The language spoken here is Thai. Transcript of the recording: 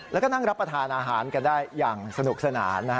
แล้วก็นั่งรับประทานอาหารกันได้อย่างสนุกสนาน